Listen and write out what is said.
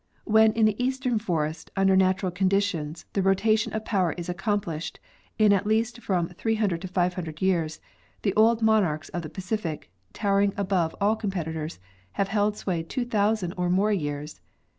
While in the eastern forest under naturai conditions the rotation of power is accomplished in at least from 300 to 500 years, the old monarchs of the Pacific, towering above all competitors, have held sway 2,000 or more years.